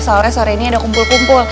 saat sore saat ini ada kumpul kumpul